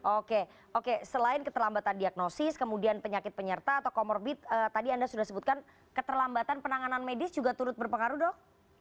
oke oke selain keterlambatan diagnosis kemudian penyakit penyerta atau comorbid tadi anda sudah sebutkan keterlambatan penanganan medis juga turut berpengaruh dok